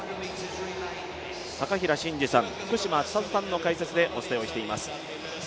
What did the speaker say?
高平慎士さん、福島千里さんの解説でお伝えしてまいります。